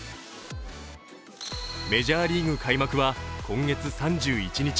メジャーリーグ開幕は今月３１日。